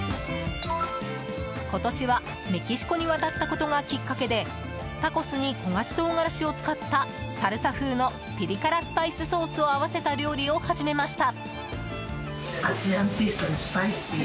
今年はメキシコに渡ったことがきっかけでタコスに焦がし唐辛子を使ったサルサ風のピリ辛スパイスソースを合わせた料理を始めました。